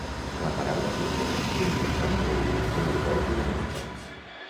La paraula soltera em ressona a l'oïda com el vol d'una vespa.